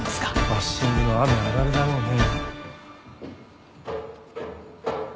バッシングの雨あられだろうね。